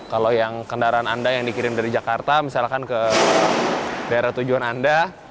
kalau yang kendaraan anda yang dikirim dari jakarta misalkan ke daerah tujuan anda